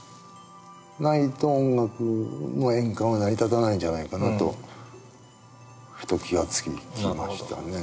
ないと音楽の円環は成り立たないんじゃないかなとふと気が付きましたね。